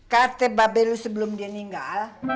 kata babel lu sebelum dia ninggal